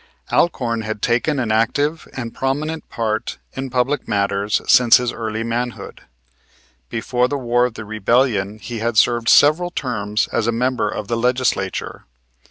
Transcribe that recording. Alcorn had taken an active and prominent part in public matters since his early manhood. Before the War of the Rebellion he had served several terms as a member of the Legislature.